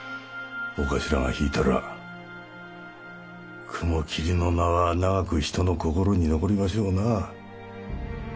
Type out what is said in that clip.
お頭が引いたら雲霧の名は長く人の心に残りましょうな。